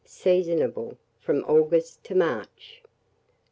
Seasonable from August to March.